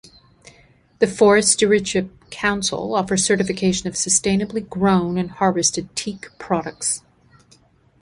The Forest Stewardship Council offers certification of sustainably grown and harvested teak products.